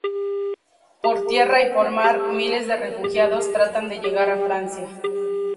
Por tierra y por mar, miles de refugiados tratan de llegar a Francia.